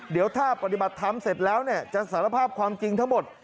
เดี๋ยวถ้าปฏิบัติธรรมเสร็จแล้วจะสารภาพความจริงทั้งหมด